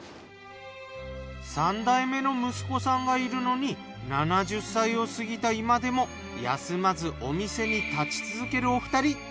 ３代目の息子さんがいるのに７０歳を過ぎた今でも休まずお店に立ち続けるお二人。